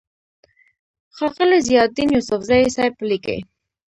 ښاغلے ضياءالدين يوسفزۍ صېب ليکي: